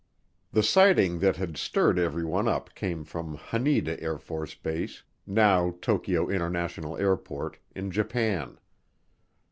The sighting that had stirred everyone up came from Haneda AFB, now Tokyo International Airport, in Japan.